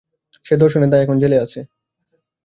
সে ধর্ষণের দায়ে এখন জেলে আছে।